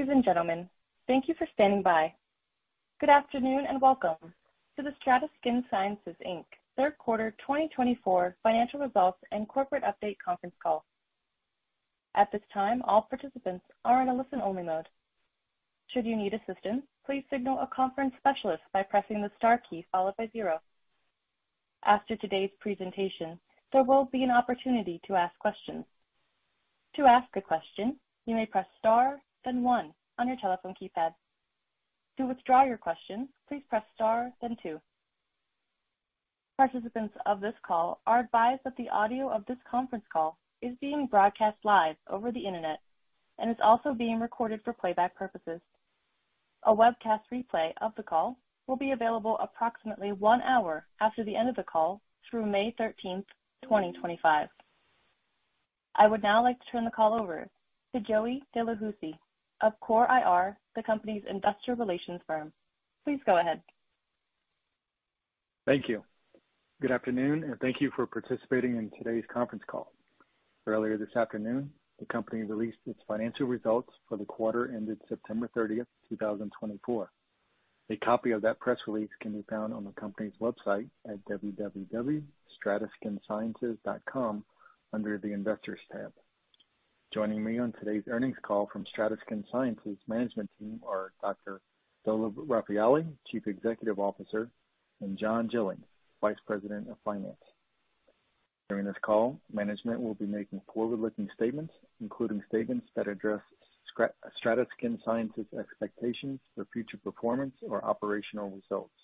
Ladies, and gentlemen, thank you for standing by. Good afternoon and welcome to the Strata Skin Sciences, Inc Third Quarter 2024 Financial Results and Corporate Update Conference Call. At this time, all participants are in a listen-only mode. Should you need assistance, please signal a conference specialist by pressing the star key followed by zero. After today's presentation, there will be an opportunity to ask questions. To ask a question, you may press star, then one on your telephone keypad. To withdraw your question, please press star, then two. Participants of this call are advised that the audio of this conference call is being broadcast live over the internet and is also being recorded for playback purposes. A webcast replay of the call will be available approximately one hour after the end of the call through May 13th, 2025. I would now like to turn the call over to Joey Delahoussaye of CoreIR, the company's Investor Relations firm. Please go ahead. Thank you. Good afternoon, and thank you for participating in today's conference call. Earlier this afternoon, the company released its financial results for the quarter ended September 30th, 2024. A copy of that press release can be found on the company's website at www.strataskinsciences.com under the Investors tab. Joining me on today's earnings call from Strata Skin Sciences' management team are Dr. Dolev Rafaeli, Chief Executive Officer, and John Gillings, Vice President of Finance. During this call, management will be making forward-looking statements, including statements that address Strata Skin Sciences' expectations for future performance or operational results.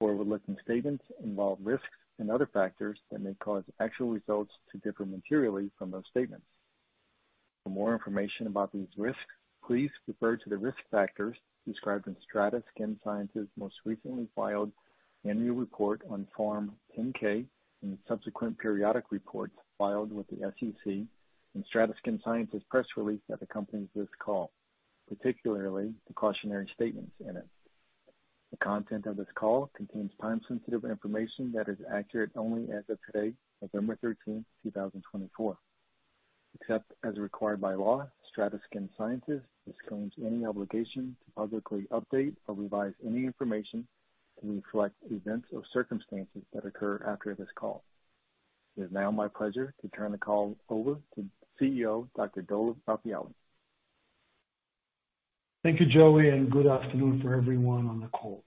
Forward-looking statements involve risks and other factors that may cause actual results to differ materially from those statements. For more information about these risks, please refer to the risk factors described in Strata Skin Sciences' most recently filed annual report on Form 10-K and subsequent periodic reports filed with the SEC and Strata Skin Sciences' press release that accompanies this call, particularly the cautionary statements in it. The content of this call contains time-sensitive information that is accurate only as of today, November 13th, 2024. Except as required by law, Strata Skin Sciences disclaims any obligation to publicly update or revise any information to reflect events or circumstances that occur after this call. It is now my pleasure to turn the call over to CEO Dr. Dolev Rafaeli. Thank you, Joey, and good afternoon for everyone on the call.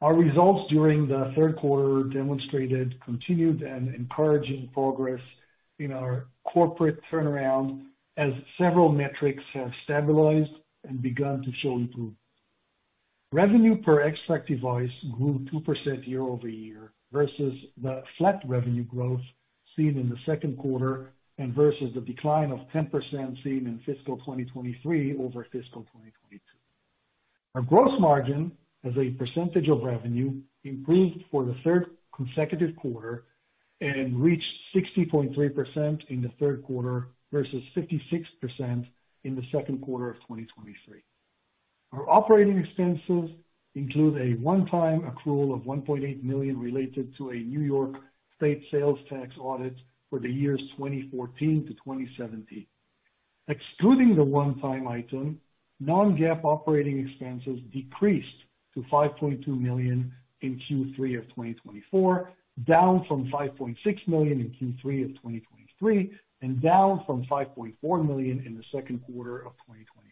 Our results during the third quarter demonstrated continued and encouraging progress in our corporate turnaround as several metrics have stabilized and begun to show improvement. Revenue per XTRAC device grew 2% year-over-year versus the flat revenue growth seen in the second quarter and versus the decline of 10% seen in fiscal 2023 over fiscal 2022. Our gross margin as a percentage of revenue improved for the third consecutive quarter and reached 60.3% in the third quarter versus 56% in the second quarter of 2023. Our operating expenses include a one-time accrual of $1.8 million related to a New York State sales tax audit for the years 2014-2017. Excluding the one-time item, non-GAAP operating expenses decreased to $5.2 million in Q3 of 2024, down from $5.6 million in Q3 of 2023, and down from $5.4 million in the second quarter of 2024.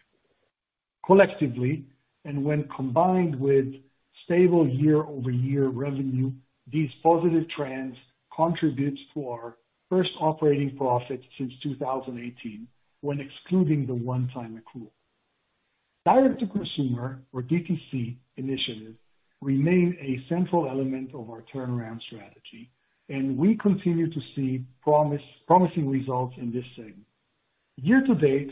Collectively, and when combined with stable year-over-year revenue, these positive trends contribute to our first operating profits since 2018 when excluding the one-time accrual. Direct-to-consumer, or DTC, initiative remains a central element of our turnaround strategy, and we continue to see promising results in this segment. Year to date,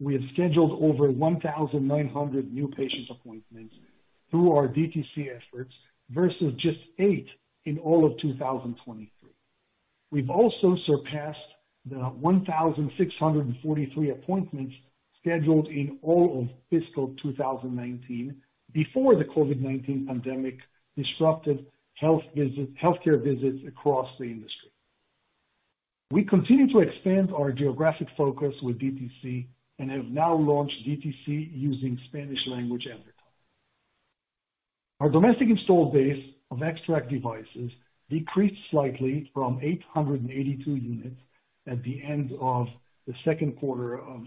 we have scheduled over 1,900 new patient appointments through our DTC efforts versus just eight in all of 2023. We've also surpassed the 1,643 appointments scheduled in all of fiscal 2019 before the COVID-19 pandemic disrupted healthcare visits across the industry. We continue to expand our geographic focus with DTC and have now launched DTC using Spanish language advertising. Our domestic installed base of XTRAC devices decreased slightly from 882 units at the end of the second quarter of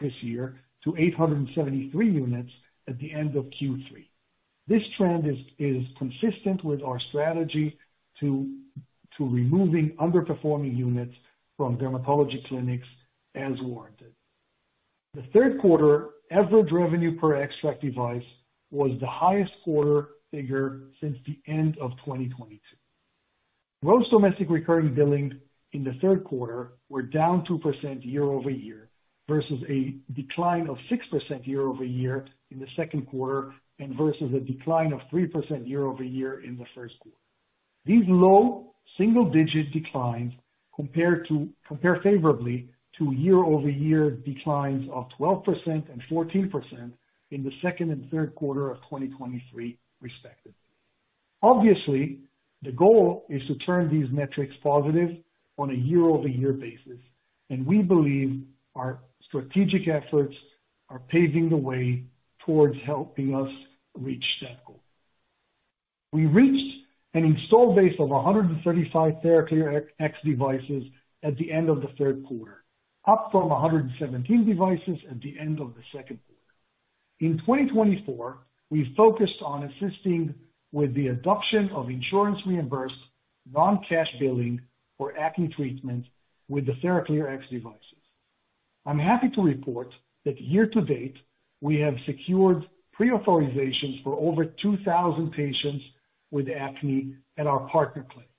this year to 873 units at the end of Q3. This trend is consistent with our strategy to remove underperforming units from dermatology clinics as warranted. The third quarter average revenue per XTRAC device was the highest quarter figure since the end of 2022. Gross domestic recurring billing in the third quarter was down 2% year-over-year versus a decline of 6% year-over-year in the second quarter and versus a decline of 3% year-over-year in the first quarter. These low single-digit declines compare favorably to year-over-year declines of 12% and 14% in the second and third quarter of 2023, respectively. Obviously, the goal is to turn these metrics positive on a year-over-year basis, and we believe our strategic efforts are paving the way towards helping us reach that goal. We reached an installed base of 135 TheraClear X devices at the end of the third quarter, up from 117 devices at the end of the second quarter. In 2024, we focused on assisting with the adoption of insurance-reimbursed, non-cash billing, or acne treatment with the TheraClear X devices. I'm happy to report that year to date, we have secured pre-authorizations for over 2,000 patients with acne at our partner clinics.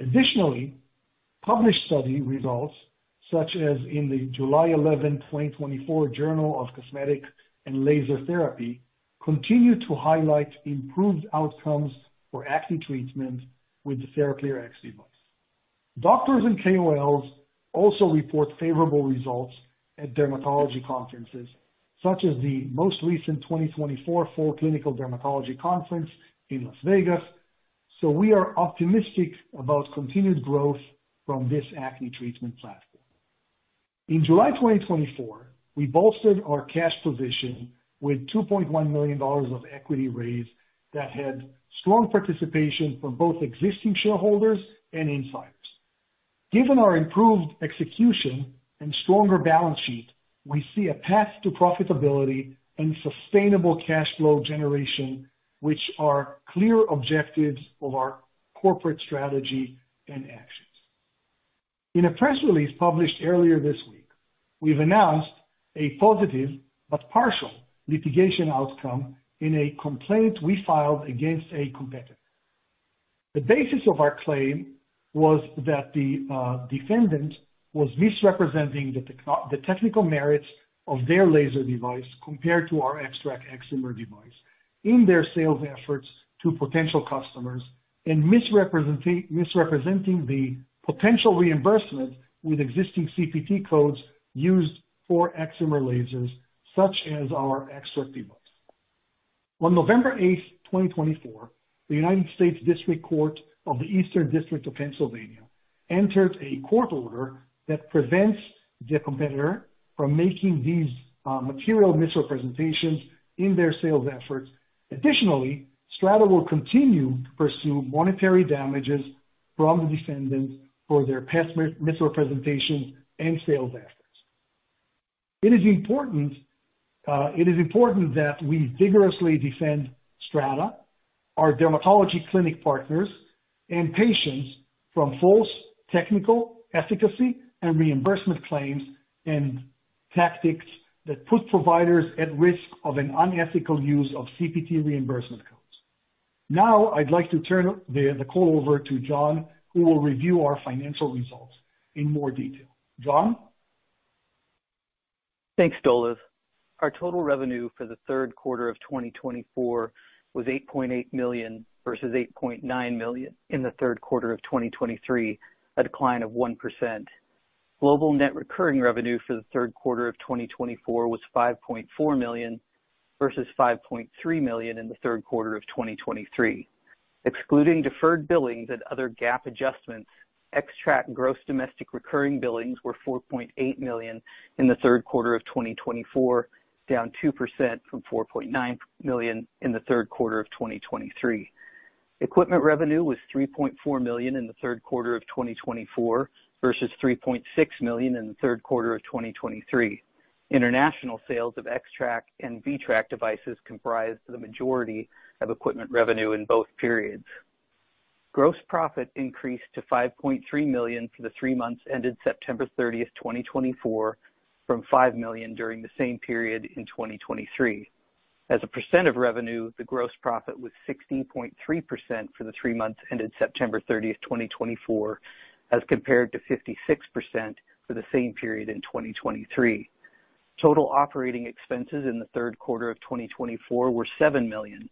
Additionally, published study results, such as in the July 11, 2024, Journal of Cosmetic and Laser Therapy, continue to highlight improved outcomes for acne treatment with the TheraClear X device. Doctors and KOLs also report favorable results at dermatology conferences, such as the most recent 2024 Fall Clinical Dermatology Conference in Las Vegas, so we are optimistic about continued growth from this acne treatment platform. In July 2024, we bolstered our cash position with $2.1 million of equity raised that had strong participation from both existing shareholders and insiders. Given our improved execution and stronger balance sheet, we see a path to profitability and sustainable cash flow generation, which are clear objectives of our corporate strategy and actions. In a press release published earlier this week, we've announced a positive but partial litigation outcome in a complaint we filed against a competitor. The basis of our claim was that the defendant was misrepresenting the technical merits of their laser device compared to our XTRAC excimer device in their sales efforts to potential customers and misrepresenting the potential reimbursement with existing CPT codes used for excimer lasers, such as our XTRAC device. On November 8th, 2024, the United States District Court of the Eastern District of Pennsylvania entered a court order that prevents the competitor from making these material misrepresentations in their sales efforts. Additionally, Strata will continue to pursue monetary damages from the defendants for their past misrepresentations and sales efforts. It is important that we vigorously defend Strata, our dermatology clinic partners, and patients from false technical efficacy and reimbursement claims and tactics that put providers at risk of an unethical use of CPT reimbursement codes. Now, I'd like to turn the call over to John, who will review our financial results in more detail. John? Thanks, Dolev. Our total revenue for the third quarter of 2024 was $8.8 million versus $8.9 million in the third quarter of 2023, a decline of 1%. Global net recurring revenue for the third quarter of 2024 was $5.4 million versus $5.3 million in the third quarter of 2023. Excluding deferred billing and other GAAP adjustments, XTRAC gross domestic recurring billings were $4.8 million in the third quarter of 2024, down 2% from $4.9 million in the third quarter of 2023. Equipment revenue was $3.4 million in the third quarter of 2024 versus $3.6 million in the third quarter of 2023. International sales of XTRAC and VTRAC devices comprised the majority of equipment revenue in both periods. Gross profit increased to $5.3 million for the three months ended September 30th, 2024, from $5 million during the same period in 2023. As a percent of revenue, the gross profit was 16.3% for the three months ended September 30th, 2024, as compared to 56% for the same period in 2023. Total operating expenses in the third quarter of 2024 were $7 million.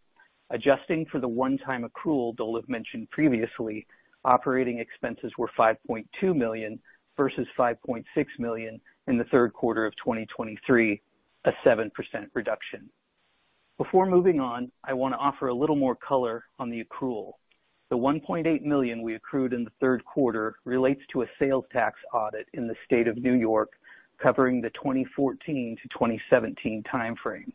Adjusting for the one-time accrual Dolev mentioned previously, operating expenses were $5.2 million versus $5.6 million in the third quarter of 2023, a 7% reduction. Before moving on, I want to offer a little more color on the accrual. The $1.8 million we accrued in the third quarter relates to a sales tax audit in the state of New York covering the 2014-2017 timeframe.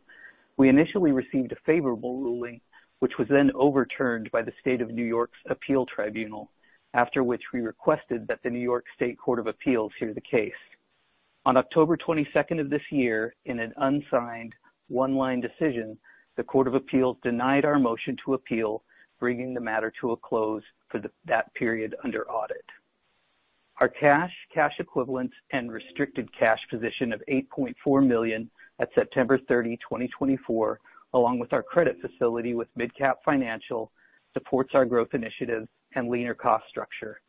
We initially received a favorable ruling, which was then overturned by the state of New York's appeal tribunal, after which we requested that the New York State Court of Appeals hear the case. On October 22nd of this year, in an unsigned one-line decision, the Court of Appeals denied our motion to appeal, bringing the matter to a close for that period under audit. Our cash, cash equivalents, and restricted cash position of $8.4 million at September 30, 2024, along with our credit facility with Midcap Financial, supports our growth initiative and leaner cost structure.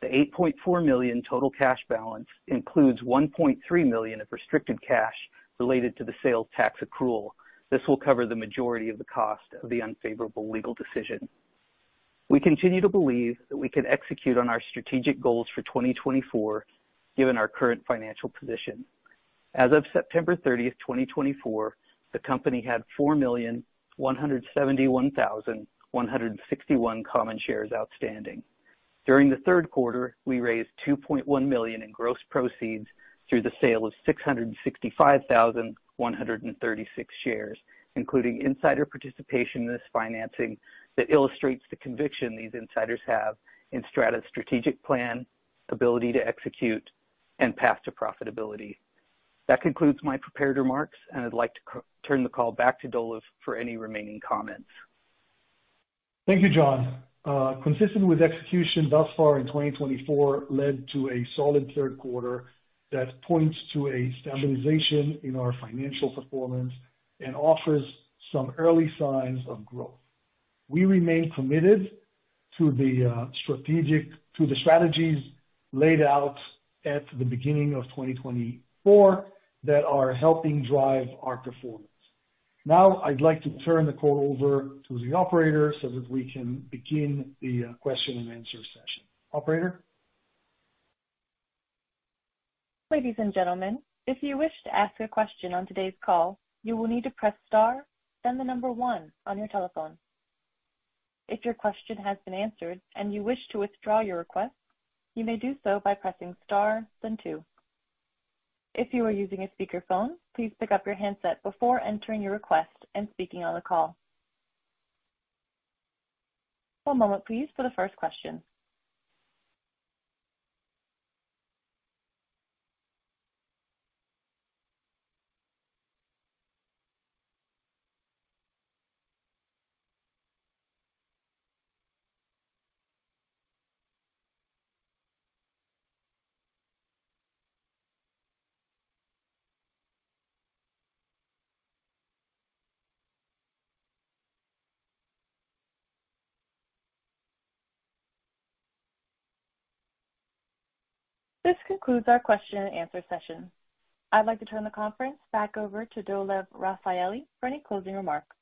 The $8.4 million total cash balance includes $1.3 million of restricted cash related to the sales tax accrual. This will cover the majority of the cost of the unfavorable legal decision. We continue to believe that we can execute on our strategic goals for 2024, given our current financial position. As of September 30th, 2024, the company had 4,171,161 common shares outstanding. During the third quarter, we raised $2.1 million in gross proceeds through the sale of 665,136 shares, including insider participation in this financing that illustrates the conviction these insiders have in Strata's strategic plan, ability to execute, and path to profitability. That concludes my prepared remarks, and I'd like to turn the call back to Dolev for any remaining comments. Thank you, John. Consistent with execution thus far in 2024 led to a solid third quarter that points to a stabilization in our financial performance and offers some early signs of growth. We remain committed to the strategies laid out at the beginning of 2024 that are helping drive our performance. Now, I'd like to turn the call over to the operators so that we can begin the question-and-answer session. Operator? Ladies, and gentlemen, if you wish to ask a question on today's call, you will need to press star, then the number one on your telephone. If your question has been answered and you wish to withdraw your request, you may do so by pressing star, then two. If you are using a speakerphone, please pick up your handset before entering your request and speaking on the call. One moment, please, for the first question. This concludes our question-and-answer session. I'd like to turn the conference back over to Dolev Rafaeli for any closing remarks.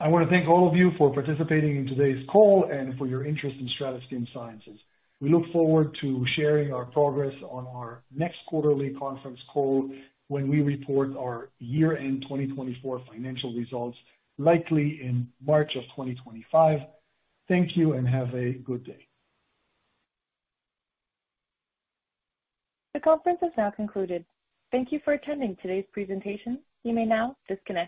I want to thank all of you for participating in today's call and for your interest in Strata Skin Sciences. We look forward to sharing our progress on our next quarterly conference call when we report our year-end 2024 financial results, likely in March of 2025. Thank you and have a good day. The conference is now concluded. Thank you for attending today's presentation. You may now disconnect.